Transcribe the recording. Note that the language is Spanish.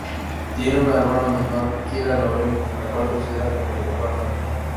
Tiene una hermana menor Kira Lauren la cual considera como su mejor amiga.